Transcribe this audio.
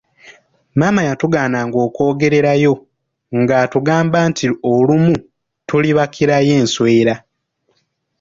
Maama yatugaananga okwogererayo nga atugamba nti olumu tulibakirayo enswera.